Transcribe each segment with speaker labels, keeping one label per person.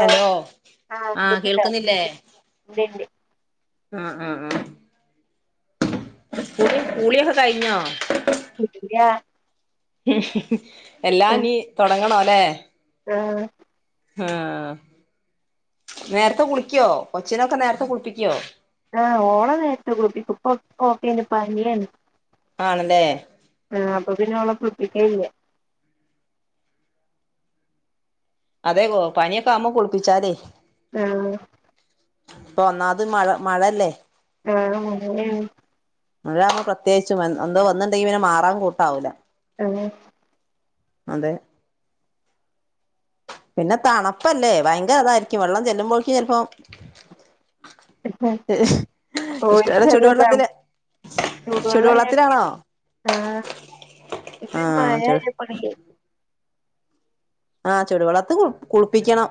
Speaker 1: Hello ആഹ കേൾക്കുന്നില്ലേ
Speaker 2: ണ്ട് ണ്ട്
Speaker 1: മ്മ് മ്മ്മ്മ് കുളി കുളി ഒക്കെ കഴിഞ്ഞോ?
Speaker 2: കുളില്ലാ
Speaker 1: ഉ ഹ് ഹ് എല്ലാം നീ തുടങ്ങണോല്ലെ
Speaker 2: ആഹ
Speaker 1: ആഹ നേരത്തെ കുളിക്കോ കൊച്ചിനൊക്കെ നേരത്തെ കുളിപ്പിക്കോ?
Speaker 2: ആഹ ഓളെ നേരത്തെ കുൾപ്പിക്കു പ്പ കോപ്പ പനിയാണ്
Speaker 1: ആണല്ലേ
Speaker 2: ആ അപ്പൊ പിന്നെ ഓളെ കുളപ്പിക്കയില്ല്യ
Speaker 1: അതെ കോ പനിയൊക്കെ അമ കുളിപ്പിച്ചാലേ
Speaker 2: ആഹ
Speaker 1: പ്പൊ ഒന്നാമത് മഴ മഴല്ലേ
Speaker 2: ആ ഉ നാ
Speaker 1: മഴങ് പ്രത്യേകിച്ചും വന്ന് വന്നിണ്ടെങ്കി ഇനെ മാറാൻ കൂട്ടാവൂല്ല
Speaker 2: ആ
Speaker 1: അതെ പിന്നെ തണപ്പല്ലേ ഭയങ്കര ഇതായിരിക്കും വെള്ളം ചെല്ലുമ്പോഴേക്കും ചെൽപ്പോ
Speaker 2: അ ഓ ശ
Speaker 1: ഇഷ്ടപോലെ
Speaker 2: [inaudible]
Speaker 1: ചുടുവെള്ളത്തില്
Speaker 2: ചൂടുവെള്ള
Speaker 1: ചുടുവെള്ളത്തിലാണോ
Speaker 2: [unintelligible] ആ ഇപ്പ ഈ
Speaker 1: ആഹ് ചു
Speaker 2: മായയാപ്പെളെ
Speaker 1: ആഹ് ചൂടുവെള്ളത്തില് കുളിപ്പിക്കണം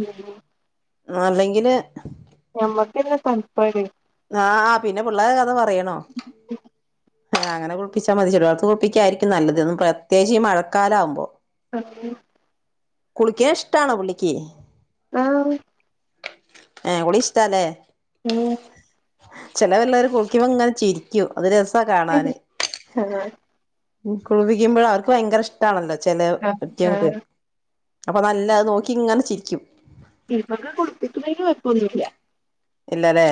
Speaker 2: ഉം
Speaker 1: ആ അല്ലെങ്കില്
Speaker 2: ഞമ്മക്കന്ന തൺപ്പാണ്
Speaker 1: ആഹ് ആ പിന്നെ പിള്ളേ കഥ പറയണോ
Speaker 2: ഉം
Speaker 1: അങ്ങനെ കുളപ്പിച്ചാ മതി ചേലോക്ക് കുൾപ്പിക്കായിരിക്കും നല്ലത് പ്രത്യേകിച്ച് ഈ മഴക്കാലാകുമ്പോ
Speaker 2: ഓക്കെ
Speaker 1: കുളിക്കേ ഇഷ്ടാണോ പുള്ളിക്ക്
Speaker 2: ആം
Speaker 1: ഏ കുളി ഇഷ്ടാ ല്ലേ
Speaker 2: ഉം
Speaker 1: ചെലേ പിള്ളേര് കുളിക്കുമ്പോ ഇങ്ങനെ ചിരിക്കും അത് രസ കാണാന്
Speaker 2: ആഹ്
Speaker 1: കുൾപിക്കുമ്പോൾ അവർക്ക് ഭയങ്കര ഇഷ്ടണല്ലോ ചെലേ
Speaker 2: ആഹ്
Speaker 1: കുറ്റിയക്ക്
Speaker 2: ആഹ്
Speaker 1: അപ്പൊ നല്ലനോക്കി ഇങ്ങനെ ചിരിക്കും
Speaker 2: ഇവർക്ക് കുളിപ്പിക്കുന്നതിന് കൊയ്പ്പൊന്നുല്ല
Speaker 1: ഇല്ലലേ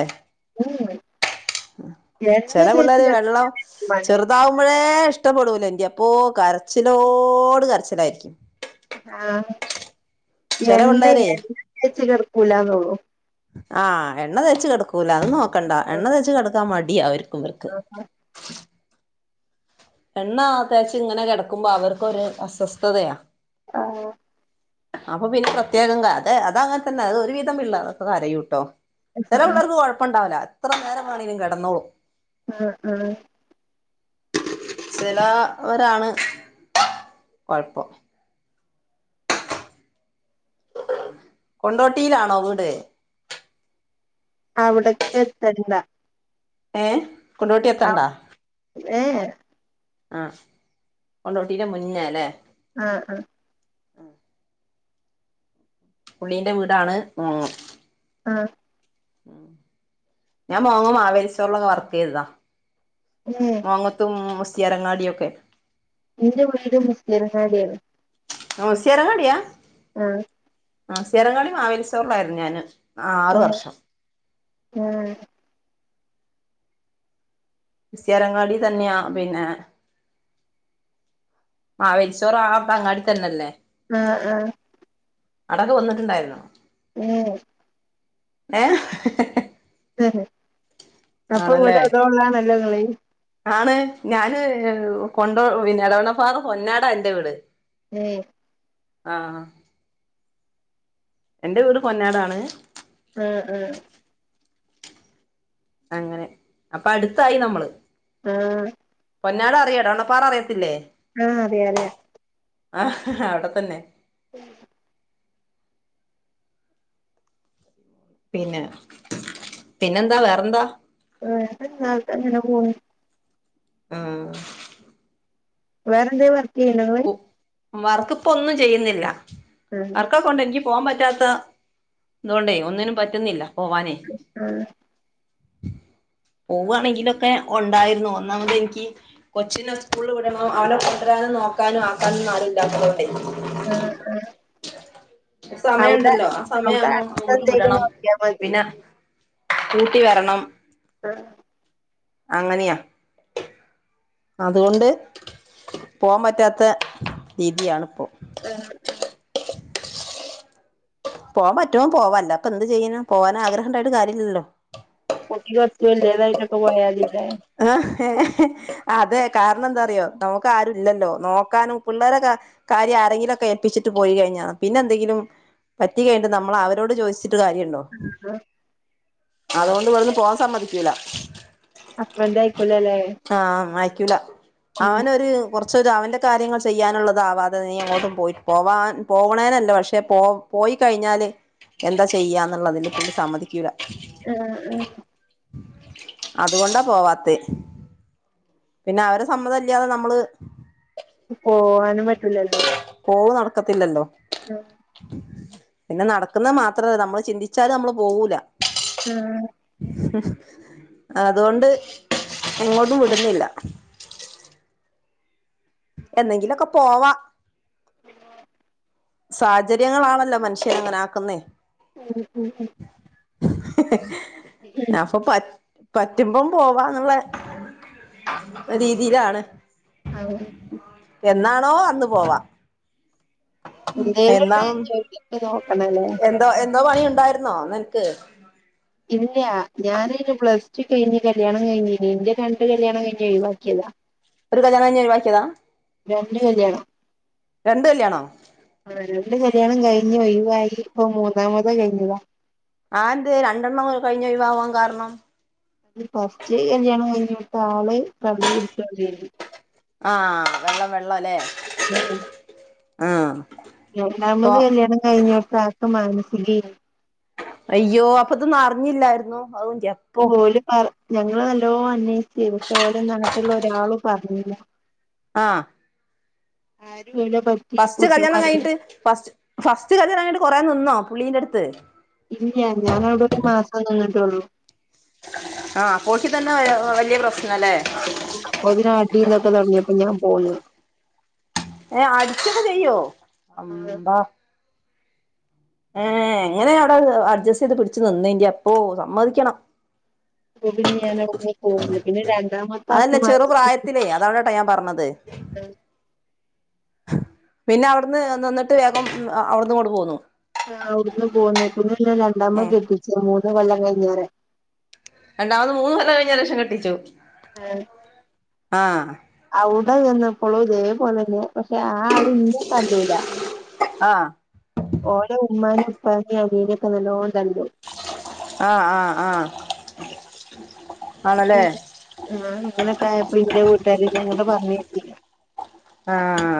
Speaker 2: ഊമ്
Speaker 1: ചെലേ പിള്ളേര് വെള്ളം
Speaker 2: പണി
Speaker 1: ചെറു താവുമ്പോളേ ഇഷ്ടപ്പെടൂല ന്റെ അപ്പോ കരച്ചിലോട് കരച്ചിലായിരിക്കും
Speaker 2: ആഹ്
Speaker 1: ചില പിള്ളേരെ
Speaker 2: എണ്ണേഎണ്ണതേച്ച് കെട്ക്കൂലന്നുള്ളൂ
Speaker 1: ആഹ് എണ്ണ തേച്ച് കെട്ക്കൂല അത് നോക്കണ്ട എണ്ണ തേച് കെട്ക്കാൻ മടിയാ അവർക്കുംവർക്ക് [inaudible] എണ്ണാ തേച് ഇങ്ങനെ കിടക്കുമ്പോ അവർക്ക് ഒരു അസ്വസ്ഥതയാ
Speaker 2: ആഹ്.
Speaker 1: അപ്പൊ പിന്നെ പ്രത്യേകം ക അതെ അത അങ്ങനെ തന്നെ ഒരു വിധം പിള്ളരൊക്കെ കരയൂട്ടോ ചെല
Speaker 2: ആഹ്
Speaker 1: പിള്ളർക്ക് കൊഴപ്പണ്ടാവുല്ല എത്ര നേരം വേണെലും കിടന്നോളും
Speaker 2: അഹ് അഹ്
Speaker 1: ചെലാ ഒരാണ് കൊഴപ്പം കൊണ്ടോട്ടീലാണോ വീട്
Speaker 2: അവിടക്ക് എത്തണില്ല
Speaker 1: ഏ കൊണ്ടോട്ടി എത്തണ്ടാ
Speaker 2: ഏഹ്
Speaker 1: ആ കൊണ്ടോട്ടി ന്റെ മുന്നേ ല്ലേ
Speaker 2: ആ ആഹ്
Speaker 1: പുള്ളീ ന്റെ വീടാണ് മോം
Speaker 2: ആഹ്
Speaker 1: ഉം ഞാൻ മോങ്ങം മാവേലിസ്റ്റോറിലൊക്കെ വർക്ക് യ്തതാ
Speaker 2: മം
Speaker 1: മോങ്ങത്തും മുസ്‌രിയങ്ങാടി യൊക്കെ
Speaker 2: ഇന്റെ വീട് മുസ്‌ലിയാരങ്ങാടി ആണ്
Speaker 1: മുസ്സിയങ്ങാടിയാ
Speaker 2: ആഹ്
Speaker 1: ആ മുസ്‌ലിയാരങ്ങാടി മാവേലി സ്റ്റോറിലായിരുന്നു ഞാന് അ ആറ് വർഷം
Speaker 2: ഉം
Speaker 1: മുസ്‌ലിയാരങ്ങാടി തന്നെയാ പിന്നെ മാവേലി സ്റ്റോർ ആ അങ്ങാടി തന്നെല്ലേ
Speaker 2: ആ ആഹ്‌
Speaker 1: അവടെക്കെവന്ന്ട്ട്ണ്ടായിര്ന്നോ
Speaker 2: ഉം.
Speaker 1: ഏ
Speaker 2: ഏഹ് അപ്പം
Speaker 1: ആണല്ലേ
Speaker 2: [unintelligible] നല്ല കളി
Speaker 1: ആണ് ഞാന് കൊണ്ടോ പിന്നെ എടവണപ്പാറ പൊന്നാടാ ഇന്റെ വീട്
Speaker 2: ഏ
Speaker 1: ആഹ് എന്റെ വീട് പൊന്നാടാണ്.
Speaker 2: ആ ആഹ്
Speaker 1: അങ്ങനെ അപ്പം അട്ത്തായി നമ്മള്
Speaker 2: ആഹ്.
Speaker 1: പൊന്നാട് അറിയോ എടവണ്ണപ്പാറ അറിയത്തില്ലേ?
Speaker 2: ആ അറിയ അറിയ.
Speaker 1: ആഹ് അവിടെ തന്നെ
Speaker 2: [unintelligible]
Speaker 1: പിന്നെ പിന്നെന്താ വേറെന്താ
Speaker 2: [unintelligible]
Speaker 1: ആഹ്
Speaker 2: വറെ എന്തേ വർക്ക് ചെയ്യ്ണ്ടോങ്ങൾ
Speaker 1: വർക്ക്പ്പം ഒന്നും ചെയ്യുന്നില്ല
Speaker 2: ആഹ്
Speaker 1: വർക്കൊ ണ്ട് എനിക്ക് പോവാൻ പറ്റാത്ത ദോണ്ടെ ഒന്നിനും പറ്റുന്നില്ല പോവാനേ.
Speaker 2: ആഹ്.
Speaker 1: പോവാണെങ്കിലൊക്കെ ഉണ്ടായിരുന്നു ഒന്നാമത് എനിക്ക് കൊച്ചിനെ സ്കൂൾ വിടണം അവനെ കൊണ്ടരാനും നോക്കാനും ആക്കാനും ഒന്നും ആരുല്ലാത്തദോണ്ടെ
Speaker 2: ആഹ് ആഹ്
Speaker 1: സമയണ്ടല്ലോ ആ സമയം
Speaker 2: അവിടെ
Speaker 1: ആവമ്പോ അങ്ങോട്ട്
Speaker 2: അടുത്തെന്തേലും
Speaker 1: വിടണം
Speaker 2: നോക്കിയാ മതി
Speaker 1: പിന്നെ കൂട്ടിവരണം.
Speaker 2: ആഹ്.
Speaker 1: അങ്ങനെയാ. അതുകൊണ്ട് പോവാം പറ്റാത്ത രീതിയാണ്പ്പോ.
Speaker 2: [unintelligible]
Speaker 1: പോവാൻ പറ്റോ പോവാംല്ലാപ്പോ എന്ത് ചെയ്യാനാ പോവാൻ ആഗ്രഹംണ്ടായിട്ട് കാര്യല്യല്ലോ.
Speaker 2: കുട്ടിക്ക് കൊറച്ച് വല്ല്യതായിട്ടൊക്കെ പോയാമതിട്ടാ.
Speaker 1: ഏ അതെ കാരണം എന്താറിയോ നമുക്ക് ആരും ഇല്ലല്ലോ നോക്കാനും പിള്ളേരൊക്കെ കാര്യം ആരെങ്കിലൊക്കെ ഏൽപ്പിച്ചിട്ട് പോയി കഴിഞ്ഞാ പിന്നെ എന്തെങ്കിലും പറ്റി കഴിഞ്ഞിട്ട് നമ്മൾ അവരോട്ചോദിച്ചിട്ട് കാര്യല്ല അതുകൊണ്ട് ഇവിട്ന്ന് പോവാ സമ്മതിക്കൂല.
Speaker 2: ഹസ്ബൻഡ് അയ്ക്കൂലലേ?
Speaker 1: ആഹ് അയ്ക്കൂല അവനൊരു കുറച്ചൊരു അവന്റെ കാര്യങ്ങൾ ചെയ്യാനുള്ളതാവാതെ നീ എങ്ങോട്ടും പോയി പോവാൻ പോവണേനല്ല പക്ഷെ പോ പോയി കഴിഞ്ഞാല് എന്താ ചെയ്യാന്നുള്ളതിൽ പിന്നെ സമ്മതിക്കൂല.
Speaker 2: ഏഹ് ആഹ്
Speaker 1: അതുകൊണ്ടാ പോവാത്ത്. പിന്നെ അവരെ സമ്മതല്ല്യാതെ നമ്മള്
Speaker 2: പോവാനും പറ്റൂലല്ലോ.
Speaker 1: പോവ് നടക്കത്തില്ലല്ലോ.
Speaker 2: [unintelligible]
Speaker 1: പിന്നെ നടക്കുന്നെമാത്രല്ല നമ്മള് ചിന്തിച്ചാല് നമ്മള് പോവൂല.
Speaker 2: ഉം.
Speaker 1: ഉം അതോണ്ട് എങ്ങോട്ടും വിടുന്നില്ല. എന്നെങ്കിലൊക്കെ പോവ. സാഹചര്യങ്ങളാണല്ലോ മനുഷ്യരെ ഇങ്ങനെ ആക്കുന്നെ.
Speaker 2: ഉം ഉം ഉം ഉം.
Speaker 1: എ എ ഏഹ് അപ്പൊ പ പറ്റുമ്പം പോവാന്നുള്ള രീതിയിലാണ്.
Speaker 2: [unintelligible]
Speaker 1: എന്നാണോ അന്ന് പോവാ.
Speaker 2: എന്തേലൊക്കെ ജോലിക്ക് നോക്കണല്ലേ?
Speaker 1: ന്തോ എന്തോ പണി ഉണ്ടായിരുന്നോ നിനക്ക്?
Speaker 2: ഇല്ല ഞാനയന് പ്ലസ്ടു കഴിഞ്ഞ് കല്യാണം കഴിഞ്ഞീന്ന് ഇന്റെ രണ്ട് കല്യാണം കഴിഞ്ഞ് ഒഴിവാക്കിയതാ.
Speaker 1: ഒരു കല്യാണം കഴിഞ്ഞ് ഒഴിവാക്കിയതാ?
Speaker 2: രണ്ട് കല്യാണം.
Speaker 1: രണ്ട് കല്യാണോ?
Speaker 2: ആ രണ്ട് കല്യാണം കഴിഞ്ഞ് ഒഴിവായി ഇപ്പ മൂന്നാമത് കഴിഞ്ഞതാ.
Speaker 1: ആ ന്തെ രണ്ടെണ്ണം കഴിഞ്ഞ് ഒഴിവാവാൻ കാരണം?
Speaker 2: അത് ഫസ്റ്റ് കല്യാണം കഴിഞ്ഞ ഓട്ത്തെ ആള് കള്ള് കുടിച്ച് വരേർന്നു.
Speaker 1: ആഹ് വെള്ളം വെള്ളംലേ.
Speaker 2: രണ്ടാമത് കല്യാണം കഴിഞ്ഞോട്ത് ആൾക്ക് മാനസികേനി
Speaker 1: അയ്യോ അപ്പൊതൊന്നും അറിഞ്ഞില്ലായിരുന്നോ? ആഹ് ന്റെ.
Speaker 2: ഓല പറ ഞങ്ങൾ നല്ലോം അന്വേഷ്ച്ച്, പക്ഷെ ഓലൊന്നും അങ്ങൻത്തെള്ള ഒരാളും പറഞ്ഞില്ല.
Speaker 1: ആഹ.
Speaker 2: ആര് [unintelligible]
Speaker 1: ഫസ്റ്റ് കല്യാണം കഴിഞ്ഞിട്ട് ഫസ്റ്റ് ഫസ്റ്റ് കല്യാണം കഴിഞ്ഞട്ട് കൊറേ നിന്നോ പുള്ളീന്റെട്ത്?
Speaker 2: ഇല്ല്യ, ഞാാനവിടെ ഒരു മാസം നിന്നിട്ടൊള്ളു.
Speaker 1: ആഹ്, അപ്പൊ ഓൽക് ഇതന്നേ ഏ ഏഹ് വല്ല്യ പ്രശ്നലേ.
Speaker 2: അപ്പോത്തിന് അടീം ഇതൊക്കെ തുടങ്ങിയപ്പൊ ഞാൻ പോന്ന്.
Speaker 1: ഏ അടിചൊക്ക ചെയ്യോ അമ്പാ ഏ എങ്ങനെ അവിടെ അഡ്ജസ്റ്റ് ചെയ്ത് പിടിിച്ചു നിന്നേന്ന്റെ അപ്പോൊ സമ്മതിക്കണം.
Speaker 2: അപ്പൊ പിിനെ ഞാൻ അവിടുെ പോന്പിന്നെ രണ്ടാമത്തെ ആർക്ക്
Speaker 1: അല്ല അതവടെ അപ്പ ഞാൻ പറഞ്ഞത്
Speaker 2: ഉ
Speaker 1: പിന്നെ അവിടന്ന് നിന്നിട്ട് വേഗം അവിടന്ന് ഇങ്ങണ്ട് പോന്നു
Speaker 2: ആ അവിടുന്ന് പോന്നു പിന്നെ രണ്ടാമത്,
Speaker 1: ഉം
Speaker 2: കെട്ടിച്ചു മൂന്ന്കൊല്ലം കഴിഞ്ഞാരെ.
Speaker 1: രണ്ടാമത് മൂന്നുകൊല്ല കഴിഞ്ഞന്റ ക്ഷം കെട്ടിച്ചു. ആഹ്
Speaker 2: ആ അടെ നിന്നപ്പളും തേപോലെന്നെ പക്ഷെ ആആൾ ഇന്ന തല്ലൂല.
Speaker 1: ആഹ്
Speaker 2: ഓല ഉമ്മാനിം ഉപ്പാനിം അനിയനൊക്കെ നല്ലോണം തല്ലും.
Speaker 1: ആ ആ ആ.
Speaker 2: ആ അങ്ങനൊക്കെ ആയപ്പ ന്റെ വീട്ടുകാര് ങ്ങോട്ട് പറഞ്ഞയച്ചീല.
Speaker 1: ആഹ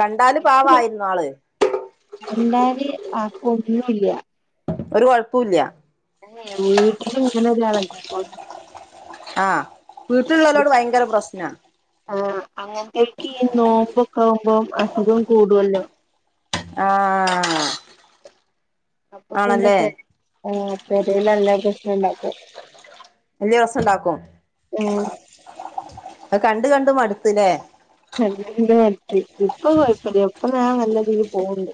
Speaker 1: കണ്ടാല് പാവമായിരുന്നൊ ആള്.
Speaker 2: കണ്ടാല് ആൾക്ക് ഒന്നുംല്ല.
Speaker 1: ഒരു കുഴപുല്ല്യ.
Speaker 2: ഏ എ വീട്ടിലും ഇങ്ങനൊരാള്ല്ല്യ ഒ
Speaker 1: ആഹ വീട്ടിലുള്ളവരോട് ഭയങ്കര പ്രശ്ന.
Speaker 2: ആ അങ്ങനത്തെയക്കെ ഈ നോമ്പൊക്കെ ആാവുമ്പോം അസുഖം കൂടുല്ലോ
Speaker 1: ആഹ
Speaker 2: അപ്പൊ പിന്നെ പെരയില നല്ലാ പ്രശ്നുണ്ടക്കും.
Speaker 1: വലിയ സം ഉണ്ടാക്കും.
Speaker 2: ഉം
Speaker 1: അഹ് കണ്ട് കണ്ട് മട് ത് ല്ലേ
Speaker 2: കണ്ട് കണ്ട് മട്ത്ത് ഇപ്പൊ കോഴപ്പില്ല ഇപ്പൊ ഞാൻ നല്ലതീൽ പോവണ്ട്.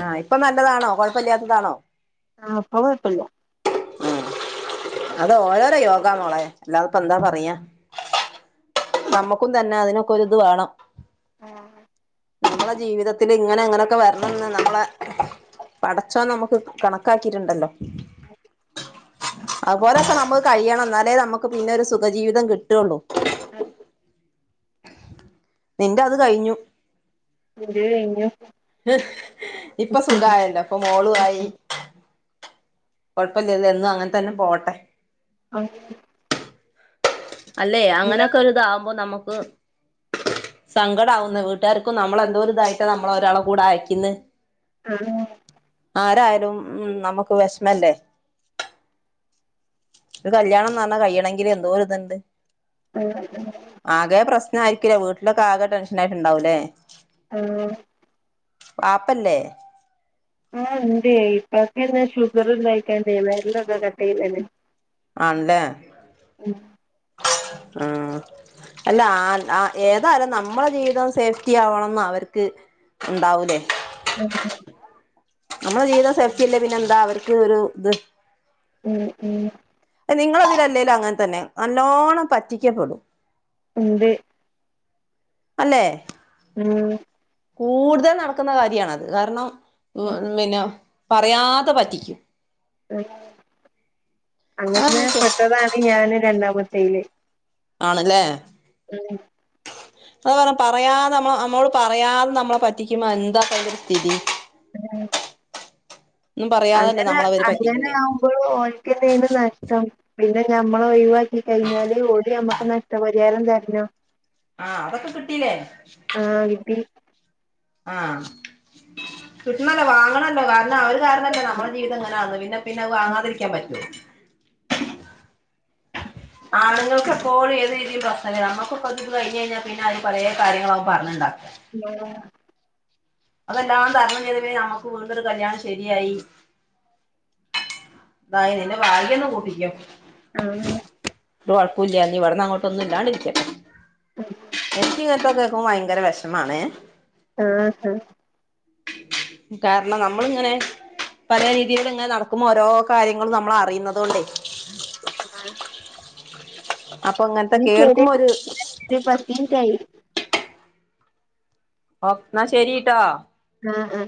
Speaker 1: ആഹ് ഇപ്പൊ നല്ലതാണോ, കൊഴപ്പല്ല്യാത്തതാണോ?
Speaker 2: ആഹ് പ്പ കൊയപ്പല്യ
Speaker 1: ഉം അത് ഓരോരോ യോഗാമോളെ അല്ലാതപ്പ ന്താ പറയാ നമ്മുക്കും തന്നെ അതിനൊക്കെ ഒര് ഇത് വേണം.
Speaker 2: ആഹ്
Speaker 1: നമ്മളെ ജീവിതത്തിൽ ഇങ്ങനെ ങ്ങനെയൊക്കെ വരണന്ന് നമ്മളെ പടച്ചോൻ നമുക്ക് കണക്കാക്കിട്ടുണ്ടല്ലോ.
Speaker 2: അ
Speaker 1: അതുപോലൊക്കെ നമ്മു കഴിയണം എന്നാലേ നമുക്ക് പിന്നെ ഒരു സുഖജീവിതം കിട്ടുള്ളൂ.
Speaker 2: ആഹ്
Speaker 1: നിന്റെ അത് കഴിഞ്ഞു.
Speaker 2: ഇന്റത് കഴിഞ്ഞു.
Speaker 1: ഇപ്പൊ സുഖായല്ലോ, ഇപ്പൊ മോളു ആയി. കൊഴപ്പില്ല്യതെ എന്നും അങ്ങനെ തന്നെ പോവട്ടെ.
Speaker 2: ആഹ്
Speaker 1: അല്ലെ അങ്ങനെയൊക്കെ ഒര് ഇതാവുമ്പോ നമുക്ക് സങ്കടാവുന്ന് വീട്ടുകാര്ക്കും നമ്മളെന്തോരിതായിട്ട നമ്മളേ ഒരാളെ കൂടെ അയക്കുന്നു.
Speaker 2: ആഹ്
Speaker 1: ആരായാലും ഉം നമുക്ക് വിഷമല്ലേ ഒരു കല്യാണം എന്ന് പറഞ്ഞാ കഴിയണെങ്കില് എന്തോര് ഇതുണ്ട്.
Speaker 2: ഉം ഉം
Speaker 1: ആകെ പ്രശ്ന ആയിരിക്കില്ലേ വീട്ടിലൊക്കെ ആകെ ടെൻഷൻ ആയിട്ടുണ്ടാവൂല്ലേ.
Speaker 2: ആഹ്
Speaker 1: വാപ്പല്ലേ.
Speaker 2: ആ ഇണ്ട് ഇപ്പാക്കെന്നെ ഷുഗറ്ണ്ടായിക്കാണ്ടെ വെരലൊക്കെ കട്ട് ചെയ്തെ
Speaker 1: ആണല്ലേ ഉം. അല്ല ആ ഏതാലും നമ്മള് ജീവിതം സേഫ്റ്റി ആവണം എന്നാ അവർക്ക്. ഉണ്ടാവുല്ലേ.
Speaker 2: അതെ
Speaker 1: നമ്മള് ജീവിതം സെഫ്റ്റില്ലേ പിന്നെ എന്താ അവർക്ക് ഒരു ഇത്
Speaker 2: ഉം ഉം
Speaker 1: നിങ്ങള് അതിലല്ലേലും അങ്ങനെ തന്നെ നല്ലോണം പറ്റിക്കപ്പെടും.
Speaker 2: ഉണ്ട്.
Speaker 1: അല്ലേ
Speaker 2: ഉം
Speaker 1: കൂടുതൽ നടക്കുന്ന കാര്യണത് കാരണം ഉം പിന്നെ പറയാതെ പറ്റില്ല.
Speaker 2: അങ്ങനെ പെട്ടതാണ് ഞാന് രണ്ടാമത്തെയില്.
Speaker 1: ആണല്ലേ. അതാ പറഞ്ഞ പറയാതെ നമ്മ നമ്മോട് പറയാതെ നമ്മളെ പറ്റിക്കുമ്പോ എന്താപ്പൊരു സ്ഥിതി
Speaker 2: അത [inaudible]
Speaker 1: ഒന്നും പറയാതല്ലേ
Speaker 2: അങ്ങനെ
Speaker 1: നമ്മളവര്
Speaker 2: അങ്ങനെ
Speaker 1: പറ്റിക്കുന്നേ
Speaker 2: ആവുമ്പോളും ഓൽക്കന്നേണ് നഷ്ടം. പിന്നെ ഞമ്മള ഒയിവാക്കി കഴിഞ്ഞാല് ഓല് ഞമ്മക്ക് നഷ്ടപരിഹാരം തരണം.
Speaker 1: ആഹ് അതൊക്കെ കിട്ടീല്ലേ?
Speaker 2: ആഹ് കിട്ടി
Speaker 1: ആഹ് കിട്ടണല്ലോ വാങ്ങണല്ലോ കാരണം അവര് അവര് കാരണല്ലേ നമ്മടെ ജീവിതം ഇങ്ങനെയന്ന് പിന്നെപിന്നെത് വങ്ങാതിരിക്കാൻ പറ്റോ? ആണുങ്ങൾക്കെപ്പോളും ഏത് രീതിൽ പ്രശ്നന്നെ നമുക്കൊക്കെ [unintelligible] കഴിഞ്ഞ് കഴിഞ്ഞാ പിന്നെ അതില് പലേ കാര്യങ്ങളാവും പറഞ്ഞുണ്ടാക്ക-
Speaker 2: [unintelligible]
Speaker 1: അതെല്ലാം തരണം ചെയ്ത്ട്ട് നമുക്ക് വീണ്ടൊരു കല്യാണം ശരിയായി. അതായി നിന്റെ ഭാഗ്യം എന്ന് കൂട്ടിക്കോ.
Speaker 2: ആഹ്
Speaker 1: ഒരു വഴക്കൂല്ല ഇനി ഇവിടുന്ന് അങ്ങോട്ടൊന്നുമില്ലാണ്ട് ഇരിക്കട്ടെ [unintelligible] ഇങ്ങനത്തൊക്കെ എനിക്കും ഭയങ്കര വിഷമാണ്
Speaker 2: ആഹ് ആഹ്
Speaker 1: കാരണം നമ്മളിങ്ങനെ പല രീതിയിലും ഇത് ഇങ്ങനെ നടക്കുമ്പോൾ ഓരോ കാര്യങ്ങളും നമ്മൾ അറിയുന്നുന്നത് കൊണ്ടേ
Speaker 2: ആഹ്
Speaker 1: അപ്പൊ ഇങ്ങനത്തെ
Speaker 2: പിന്ന ശരി
Speaker 1: കേൾക്കുമ്പോ ഒരു
Speaker 2: [unintelligible] പത്ത് മിനിട്ടായി
Speaker 1: ഓ എന്നാ ശെരിട്ടോ
Speaker 2: ആഹ് ആഹ്